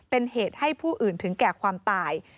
เป็นเหตุให้ผู้อื่นถึงแก่ความตาย